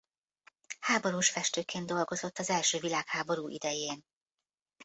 Háborús festőként dolgozott az első világháború idején.